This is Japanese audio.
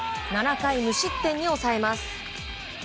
７回無失点に抑えます。